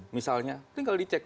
misalnya tinggal dicek